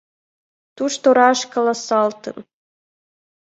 Тушто раш каласалтын.